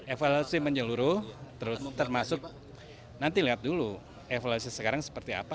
evaluasi menyeluruh terus termasuk nanti lihat dulu evaluasi sekarang seperti apa